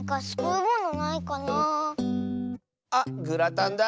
あっグラタンだ！